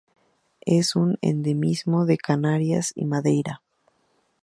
Es un endemismo de Canarias y Madeira.